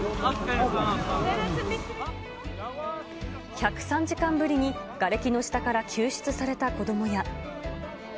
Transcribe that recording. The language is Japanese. １０３時間ぶりにがれきの下から救出された子どもや。